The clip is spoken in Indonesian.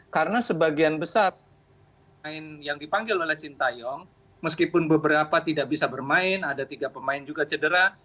karena sebagian besar yang dipanggil oleh sintayong meskipun beberapa tidak bisa bermain ada tiga pemain juga cedera